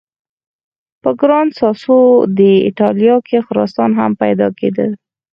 په ګران ساسو ډي ایټالیا کې خرسان هم پیدا کېدل.